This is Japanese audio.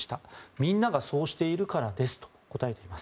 みんながそうしているからですと答えています。